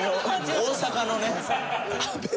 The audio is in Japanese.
大阪のね。